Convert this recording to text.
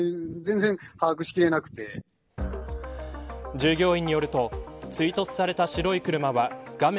従業員によると追突された白い車は画面